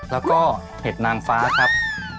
แล้วก็เห็ดนางฟ้าครับ